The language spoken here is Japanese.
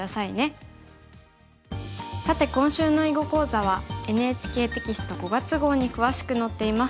さて今週の囲碁講座はＮＨＫテキスト５月号に詳しく載っています。